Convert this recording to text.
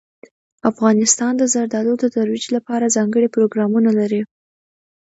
افغانستان د زردالو د ترویج لپاره ځانګړي پروګرامونه لري.